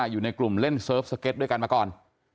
อยู่ในกลุ่มเล่นเซิร์ฟสเก็ตด้วยกันมาก่อน